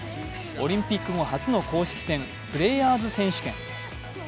オリンピック後初の公式戦、プレーヤーズ選手権。